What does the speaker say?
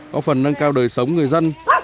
có phần nâng cao đời sống người dân